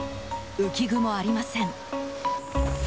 浮き具もありません。